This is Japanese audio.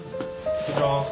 失礼します。